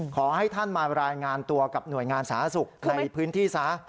ขอให้ท่านมารายงานตัวกับหน่วยงานสาธารณสุขในพื้นที่ซะ